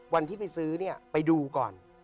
วันที่ไปซื้อเนี่ยไปดูก่อน